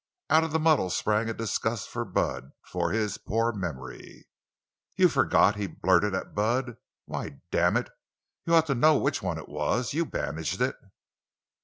Out of the muddle sprang a disgust for Bud for his poor memory. "You've forgot!" he blurted at Bud. "Why, damn it, you ought to know which one it was—you bandaged it!"